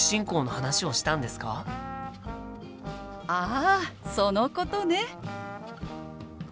あそのことね！